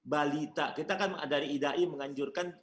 balita kita kan dari idai menganjurkan